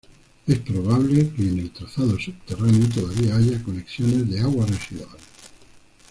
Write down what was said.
Es probable que en el trazado subterráneo todavía haya conexiones de aguas residuales.